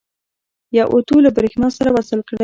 یو اوتو له برېښنا سره وصل کړئ.